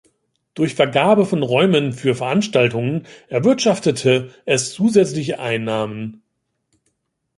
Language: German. Durch Vergabe von Räumen für Veranstaltungen erwirtschaftete es zusätzliche Einnahmen.